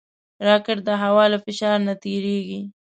راکټ د هوا له فشار نه تېریږي